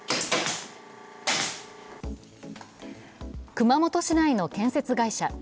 熊本市内の建設会社。